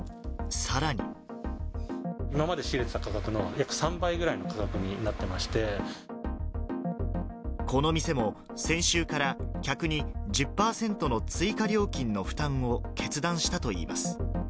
今まで仕入れてた価格の約３この店も、先週から客に１０％の追加料金の負担を決断したといいます。